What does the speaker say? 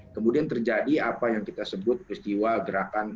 kemudian terjadi apa yang kita sebut peristiwa gerakan